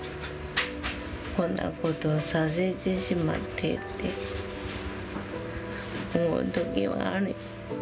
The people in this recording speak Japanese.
こんなことをさせてしまってって思うときはある。